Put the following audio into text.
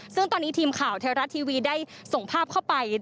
ซึ่งตอนนี้ทีมข่าวเทวรัฐทีวีได้ส่งภาพเข้าไป